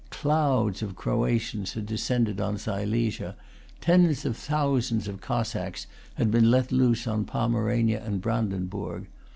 Clouds of Croatians had descended on Silesia. Tens of thousands of Cossacks had been let loose on Pomerania and Brandenburg.